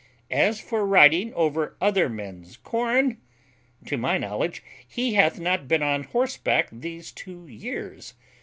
As for riding over other men's corn, to my knowledge he hath not been on horseback these two years.